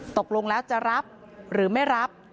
ตกลงแล้วจะรับหรือไม่รับ